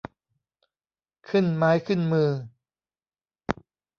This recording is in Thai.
ขึ้นไม้ขึ้นมือ